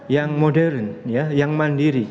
yang modern yang mandiri